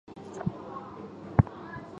波氏跳蛛为跳蛛科跳蛛属的动物。